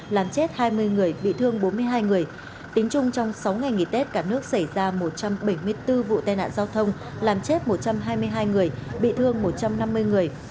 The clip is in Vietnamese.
làm chết hai mươi người bị thương bốn mươi hai người tính chung trong sáu ngày nghỉ tết cả nước xảy ra một trăm bảy mươi bốn vụ tai nạn giao thông làm chết một trăm hai mươi hai người bị thương một trăm năm mươi người